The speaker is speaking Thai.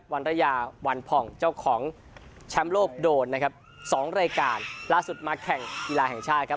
วันระยาวันผ่องเจ้าของแชมป์โลกโดนนะครับสองรายการล่าสุดมาแข่งกีฬาแห่งชาติครับ